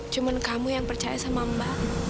cuma kamu yang percaya sama mbak